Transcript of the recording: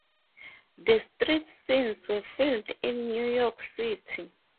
The street scenes were filmed in New York City.